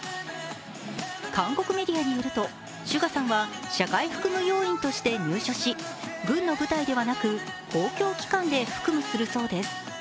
韓国メディアによるとＳＵＧＡさんは社会服務要員として入所し、軍の部隊ではなく、公共機関で服務するそうです。